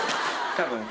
多分。